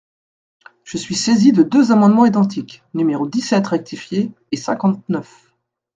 Je suis saisi de deux amendements identiques, numéros dix-sept rectifié et cinquante-neuf.